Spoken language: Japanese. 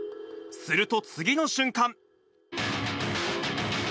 すると次の瞬間。